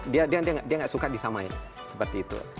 dia tidak suka disamai